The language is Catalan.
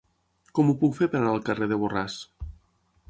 Com ho puc fer per anar al carrer de Borràs?